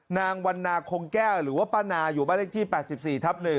นางวันนาคงแก้วหรือว่าป้านาอยู่บ้านเลขที่๘๔ทับ๑